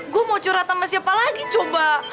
gue mau curhat sama siapa lagi coba